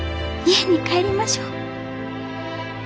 家に帰りましょう。